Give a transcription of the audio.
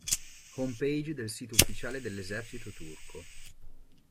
Home page del sito ufficiale dell'Esercito turco